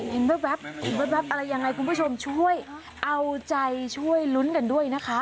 แว๊บเห็นแว๊บอะไรยังไงคุณผู้ชมช่วยเอาใจช่วยลุ้นกันด้วยนะคะ